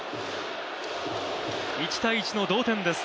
１−１の同点です。